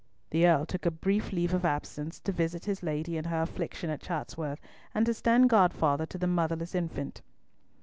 The Earl took a brief leave of absence to visit his lady in her affliction at Chatsworth, and to stand godfather to the motherless infant.